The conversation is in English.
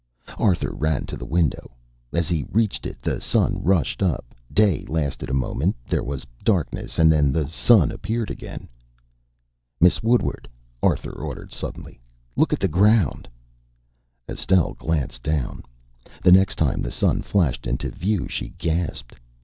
Arthur ran to the window. As he reached it the sun rushed up, day lasted a moment, there was darkness, and then the sun appeared again. "Miss Woodward!" Arthur ordered suddenly, "look at the ground!" Estelle glanced down. The next time the sun flashed into view she gasped.